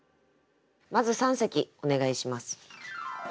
まず三席お願いします。